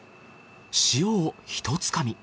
塩をひとつかみ。